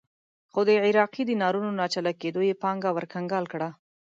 خو د عراقي دینارونو ناچله کېدو یې پانګه ورکنګال کړه.